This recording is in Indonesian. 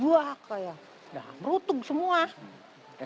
wah kayak udah merutuk semua